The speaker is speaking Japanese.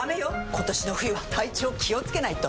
今年の冬は体調気をつけないと！